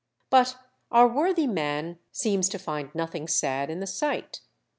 But our worthy man seems to find nothing sad in the sight.